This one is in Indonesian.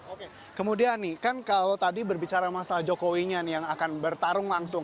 oke kemudian nih kan kalau tadi berbicara masalah jokowinya nih yang akan bertarung langsung